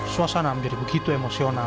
suasana hampir begitu emosional